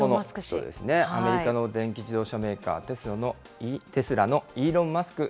アメリカの電気自動車メーカー、テスラのイーロン・マスク